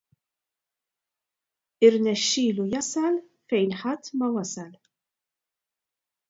Irnexxielu jasal fejn ħadd ma wasal.